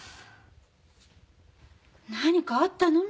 何かあったの？